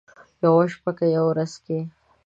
یوه شپه که یوه ورځ کې،